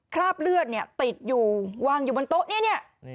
คราบเลือดเนี่ยติดอยู่วางอยู่บนโต๊ะเนี่ย